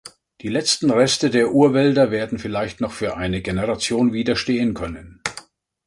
Die letzten Reste der Urwälder werden vielleicht noch für eine Generation widerstehen können.